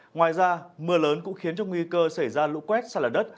ngoài ra mưa lớn cũng khiến cho nguy cơ xảy ra lũ quét xa lở đất